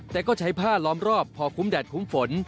แต่ก็ใช้ผ้าล้อมรอบพอคุ้มแดดคุ้มฝน